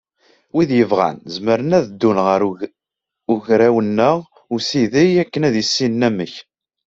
Wid yebɣan, zemren ad d-ddun ɣer ugraw-nneɣ n usideg akken ad issinen amek.